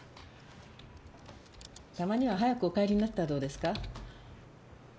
たまには早くお帰りになったらどうですか？